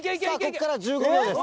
ここから１５秒です。